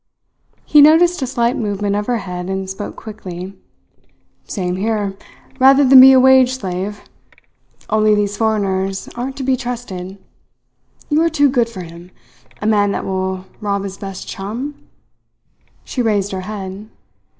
He noticed a slight movement of her head and spoke quickly. "Same here rather than be a wage slave. Only these foreigners aren't to be trusted. You're too good for him. A man that will rob his best chum?" She raised her head.